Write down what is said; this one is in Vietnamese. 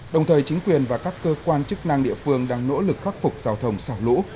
đồng thời chính quyền và các cơ quan chức năng địa phương đang nỗ lực khắc phục giao thông sau lũ